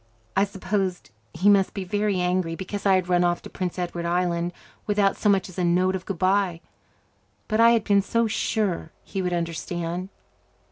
I supposed he must be very angry because I had run off to Prince Edward Island without so much as a note of goodbye. But I had been so sure he would understand!